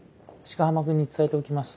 鹿浜君に聞いておきます。